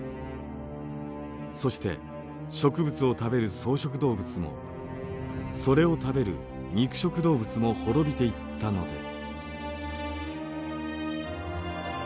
そして植物を食べる草食動物もそれを食べる肉食動物も滅びていったのです。